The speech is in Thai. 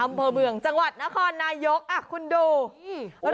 อำเภอเมืองจังหวัดนครนายกอ่ะคุณดูอุ้ย